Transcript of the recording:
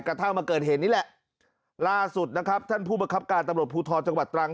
กระทั่งมาเกิดเหตุนี่แหละล่าสุดนะครับท่านผู้ประคับการตำรวจภูทรจังหวัดตรัง